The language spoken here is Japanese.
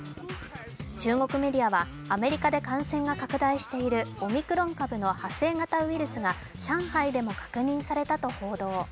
中国メディアはアメリカで感染が拡大しているオミクロン株の派生型ウイルスが上海でも確認されたと報道。